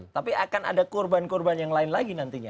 tapi akan ada korban korban yang lain lagi nantinya